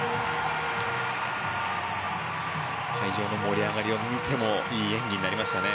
会場の盛り上がりを見てもいい演技になりましたね。